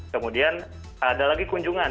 kemudian ada lagi kunjungan